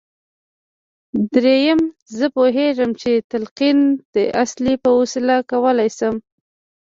درېيم زه پوهېږم چې د تلقين د اصل په وسيله کولای شم.